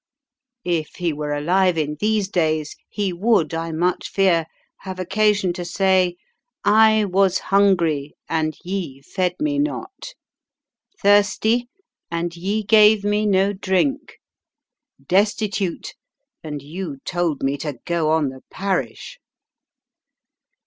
If He were alive in these days He would, I much fear, have occasion to say, 'I was hungry, and ye fed Me not; thirsty, and ye gave Me no drink; destitute, and you told Me to go on the parish.'"